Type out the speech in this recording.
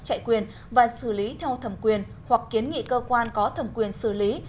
chạy quyền và xử lý theo thẩm quyền hoặc kiến nghị cơ quan có thẩm quyền xử lý